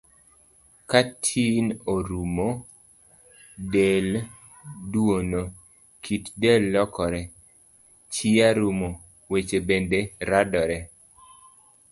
Ka tin orumo, del duono, kit del lokore, chia rumo, weche bende radore.